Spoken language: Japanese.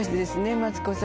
マツコさん